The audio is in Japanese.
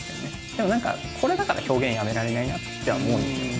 でも何かこれだから表現やめられないなとは思うんですよね。